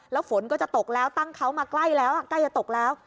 แล้วฝนก็จะตกแล้วตั้งเขามาใกล้แล้วใกล้จะตกแล้ว